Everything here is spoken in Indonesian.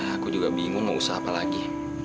aku juga bingung mau usaha apa lagi